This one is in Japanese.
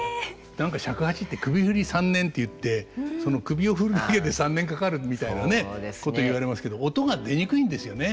何か尺八って「首振り３年」っていって首を振るだけで３年かかるみたいなこと言われますけど音が出にくいんですよね。